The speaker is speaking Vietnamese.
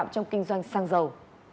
trong kinh doanh sang giàu